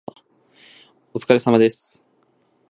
お疲れ様です。